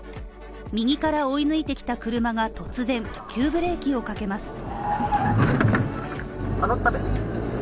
右から追い抜いてきた車が突然急ブレーキをかけます。